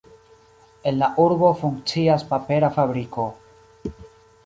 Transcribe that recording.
En la urbo funkcias papera fabriko.